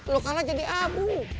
lo kalah jadi abu